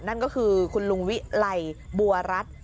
นั่นก็คือคุณลุงวิไลบัวรัฐ